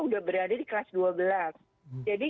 udah berada di kelas dua belas jadi ini itu yang